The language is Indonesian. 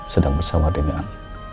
sedang bersama dengan